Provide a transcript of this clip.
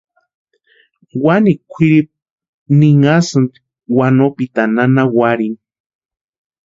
Wani kwʼiripu ninhasïnti wanopitani nana warhini.